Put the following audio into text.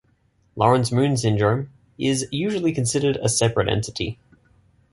Laurence-Moon syndrome is usually considered a separate entity.